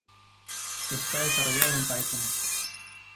Está desarrollado en Python.